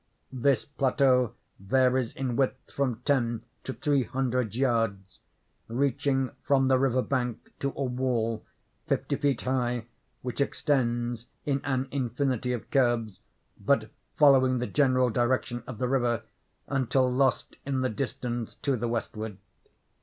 This plateau varies in width from ten to three hundred yards; reaching from the river bank to a wall, fifty feet high, which extends, in an infinity of curves, but following the general direction of the river, until lost in the distance to the westward.